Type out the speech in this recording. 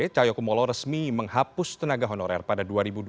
cayo kumolo resmi menghapus tenaga honorer pada dua ribu dua puluh tiga